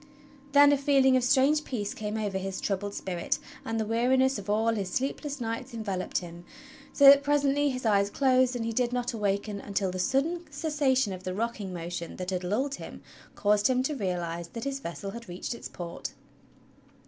Then a feeling of strange peace came over his troubled spirit, and the weariness of all his sleepless nights enveloped him; so that presently his eyes closed and he did not awaken until the sudden cessation of the rocking motion that had lulled him caused him to realize that his vessel had reached its port.